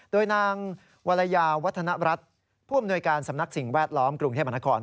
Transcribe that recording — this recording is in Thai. โดยนางวรยาวัฒนรัฐผู้อำนวยการสำนักสิ่งแวดล้อมกรุงเทพมนาคม